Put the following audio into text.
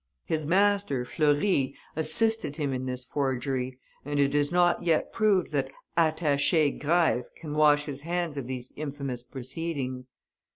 His master, Fleury, assisted him in this forgery, and it is not yet proved that "Attaché" Greif can wash his hands of these infamous proceedings.